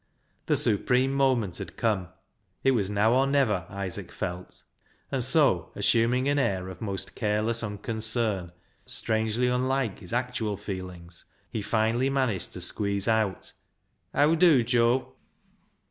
The supreme moment had come. It was now or never, Isaac felt. And so, assuming an air of most careless unconcern, strangely unlike his actual feelings, he finally managed to squeeze out — "Heaw dew, Joe?"